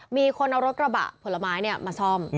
มีคนเอารถกระบะผลไม้มาซ่อม